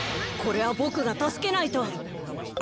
これはボクがたすけないと！